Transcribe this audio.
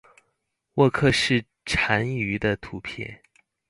沃克氏蟾鱼的图片